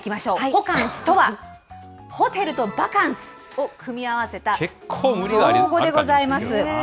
ホカンスとは、ホテルとバカンスを組み合わせた造語でございます。